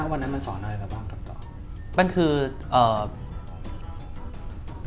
วันนั้นมันสอนอะไรหรือเปล่า